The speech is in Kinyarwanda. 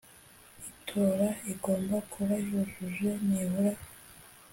itora igomba kuba yujuje nibura